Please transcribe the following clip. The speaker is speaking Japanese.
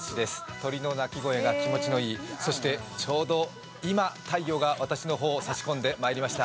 鳥の鳴き声が気持ちいい、そしてちょうど、今、太陽が私の方、差し込んできました